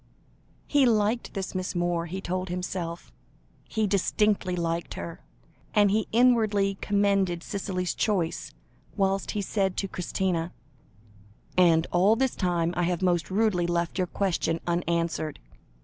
He liked this Miss Moore, he told himself, he distinctly liked her, and he inwardly commended Cicely's choice, whilst he said to Christina "And all this time I have most rudely left your question unanswered.